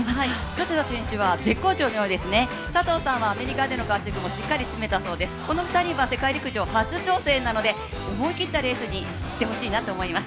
加世田選手は絶好調のようですね、佐藤さんはアメリカでの合宿もしっかりつめたそうです、この２人は世界陸上、初挑戦ですので思い切ったレースにしてほしいなと思います。